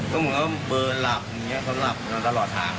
ก็มึงเค้าเบลอหลับเค้าหลับนอนตลอดทาง